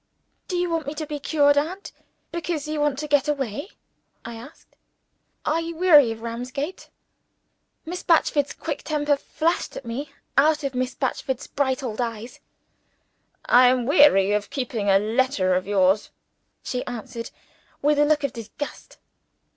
"Do you want me to be cured, aunt, because you want to get away?" I asked. "Are you weary of Ramsgate?" Miss Batchford's quick temper flashed at me out of Miss Batchford's bright old eyes. "I am weary of keeping a letter of yours," she answered, with a look of disgust.